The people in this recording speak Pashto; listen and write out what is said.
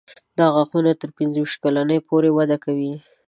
دا غاښونه تر پنځه ویشت کلنۍ پورې وده کوي.